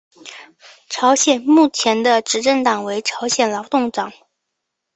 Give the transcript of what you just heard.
朝鲜目前的执政党为朝鲜劳动党。